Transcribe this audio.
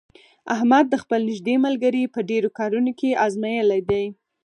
احمد خپل نېږدې ملګري په ډېرو کارونو کې ازمېیلي دي.